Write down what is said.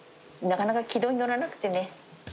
なかなか軌道に乗らなくてね。